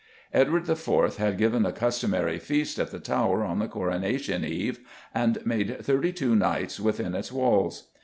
Edward IV. had given the customary feast at the Tower on the coronation eve and "made" thirty two knights within its walls.